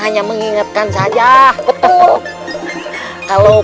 hanya mengingatkan saja betul kalau